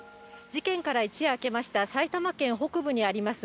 事件から一夜明けました埼玉県北部にあります